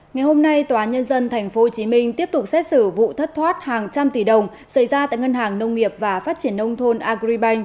ngày hôm nay tòa nhân dân tp hcm tiếp tục xét xử vụ thất thoát hàng trăm tỷ đồng xảy ra tại ngân hàng nông nghiệp và phát triển nông thôn agribank